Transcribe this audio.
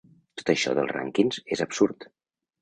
Tot això dels rànquings és absurd.